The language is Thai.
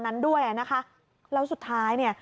ป้าของน้องธันวาผู้ชมข่าวอ่อน